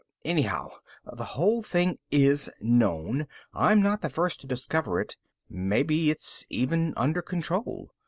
Anyhow, the whole thing is known; I'm not the first to discover it. Maybe it's even under control.